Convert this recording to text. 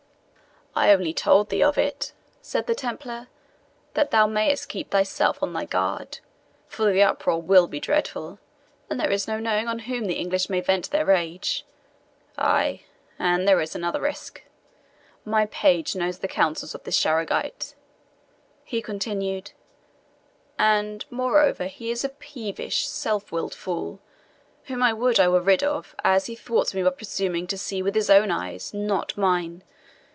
"I only told thee of it," said the Templar, "that thou mayest keep thyself on thy guard; for the uproar will be dreadful, and there is no knowing on whom the English may vent their rage. Ay, and there is another risk. My page knows the counsels of this Charegite," he continued; "and, moreover, he is a peevish, self willed fool, whom I would I were rid of, as he thwarts me by presuming to see with his own eyes, not mine.